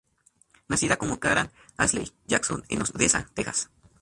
Nacida como Karan Ashley Jackson en Odessa, Texas.